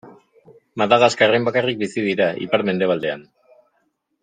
Madagaskarren bakarrik bizi dira, ipar-mendebaldean.